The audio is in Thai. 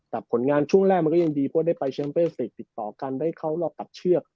แต่ผลงานช่วงแรกมันก็ยังดีเพราะได้ไปแชมเปสติกติดต่อกันได้เข้ารอบตัดเชือก